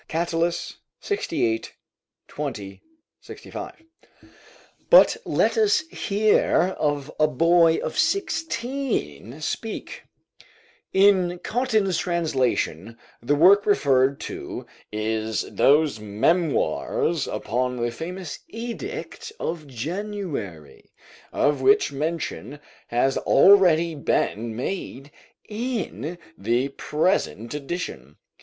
Catullus, lxviii. 20; lxv.] But let us hear a boy of sixteen speak: [In Cotton's translation the work referred to is "those Memoirs upon the famous edict of January," of which mention has already been made in the present edition.